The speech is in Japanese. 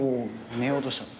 お寝ようとしたの？